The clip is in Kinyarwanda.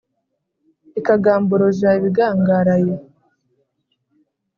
Ikagamburuza ibigangaraye.